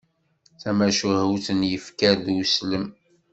Tamacahut n yifker d uslem.